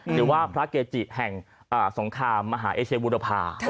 หรือว่าพระเกจิแห่งสงครามมหาเอเชบุรพา